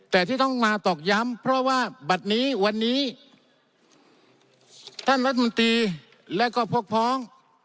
แต่ที่ต้องมาตกย้ำเพราะว่าทหารรัฐมนตรีและก็พวกพร้อม